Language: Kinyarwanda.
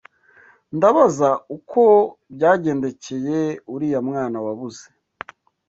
Ndabaza uko byagendekeye uriya mwana wabuze.